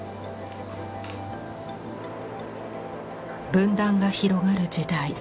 分断が広がる時代。